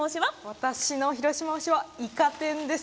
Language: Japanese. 私の広島推しはイカ天です。